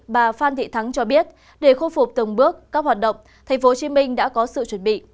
bà phan thị thắng cho biết để khôi phục từng bước các hoạt động tp hcm đã có sự chuẩn bị